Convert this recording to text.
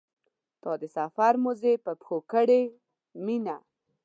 تا د سفر موزې په پښو کړې مینه.